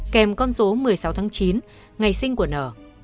kèm con số một mươi sáu tháng chín ngày sinh của nở